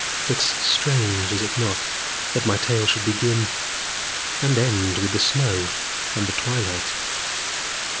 It is strange, is it not, that my tale should begin and end with the snow and the twilight.